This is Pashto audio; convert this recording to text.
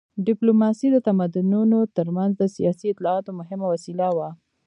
ډیپلوماسي د تمدنونو تر منځ د سیاسي اطلاعاتو مهمه وسیله وه